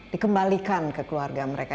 dikembalikan ke keluarga mereka